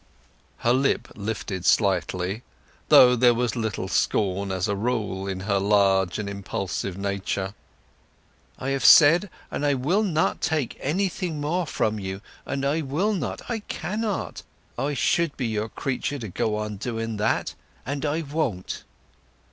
Her lip lifted slightly, though there was little scorn, as a rule, in her large and impulsive nature. "I have said I will not take anything more from you, and I will not—I cannot! I should be your creature to go on doing that, and I won't!"